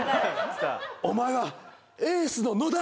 お前はエースの野田！